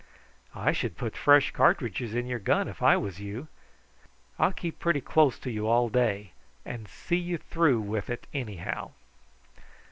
I should put fresh cartridges in my gun if I was you. I'll keep pretty close to you all day and see you through with it anyhow."